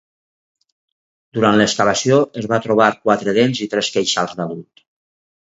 Durant l'excavació es va trobar quatre dents i tres queixals d'adult.